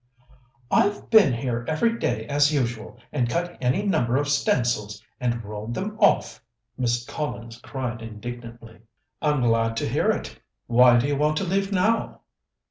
"I've been here every day as usual, and cut any number of stencils, and rolled them off," Miss Collins cried indignantly. "I'm glad to hear it. Why do you want leave now?"